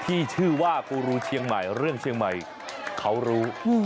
ที่ชื่อว่ากูรูเชียงใหม่เรื่องเชียงใหม่เขารู้